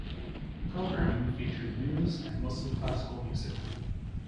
Programming featured news and mostly classical music.